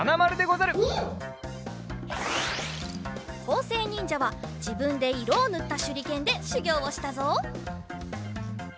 こうせいにんじゃはじぶんでいろをぬったしゅりけんでしゅぎょうをしたぞ。